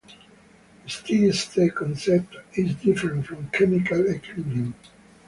The steady state concept is different from chemical equilibrium.